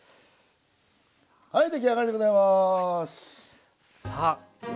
はい出来上がりでございます！